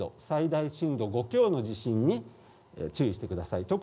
最大震度５強の地震に注意してください。